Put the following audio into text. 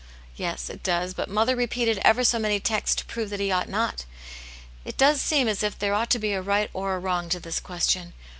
" Yes, it does. But mother repeated ever so many texts to prove that he ought not. It does seem as if there ought to be a right or a wrong to this ques tion.